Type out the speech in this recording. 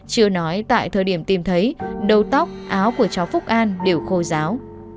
chưa nói tại thời điểm tìm thấy đầu tóc áo của cháu phúc an đều khô giáo